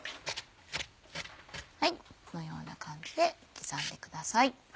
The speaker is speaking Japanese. このような感じで刻んでください。